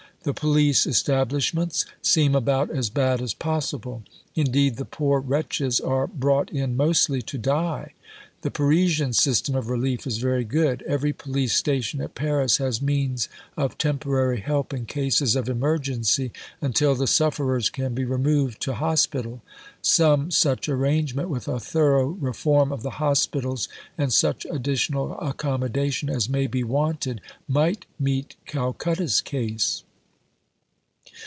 The Police establishments seem about as bad as possible. Indeed the poor wretches are brought in mostly to die. The Parisian system of relief is very good: every Police station at Paris has means of temporary help in cases of emergency until the sufferers can be removed to Hospital. Some such arrangement with a thorough reform of the Hospitals, and such additional accommodation as may be wanted, might meet Calcutta's case.